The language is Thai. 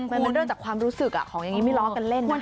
มันเริ่มจากความรู้สึกของอย่างนี้ไม่ล้อกันเล่น